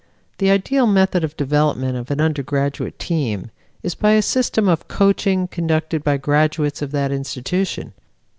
The ideal method of development of an undergraduate team is by a system of coaching conducted by graduates of that institution.